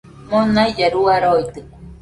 Monailla rua roitɨkue